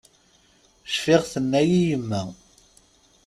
Cfiɣ tenna-yi yemma.